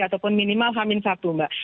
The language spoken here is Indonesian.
ataupun minimal hamil satu mbak